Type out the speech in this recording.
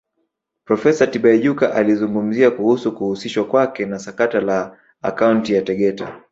Profesa Tibaijuka alizungumzia kuhusu kuhusishwa kwake na sakata la Akaunti ya Tegeta